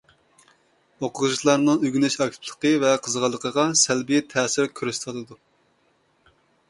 ئوقۇغۇچىلارنىڭ ئۆگىنىش ئاكتىپلىقى ۋە قىزغىنلىقىغا سەلبىي تەسىر كۆرسىتىۋاتىدۇ.